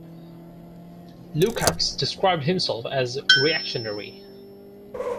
Lukacs describes himself as a reactionary.